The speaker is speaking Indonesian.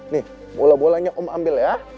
nih bola bolanya om ambil ya